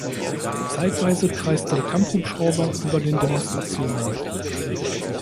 Zeitweise kreisten Kampfhubschrauber über den Demonstrationen.